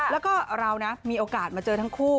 แล้วก็เรานะมีโอกาสมาเจอทั้งคู่